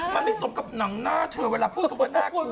มันไม่สกกับหนังหน้าเธอเวลาพูดเหมือนหน้ากลัวเนี่ย